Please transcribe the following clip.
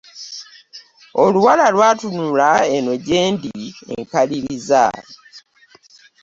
Oluwala lwatunula eno gye ndi enkaliriza.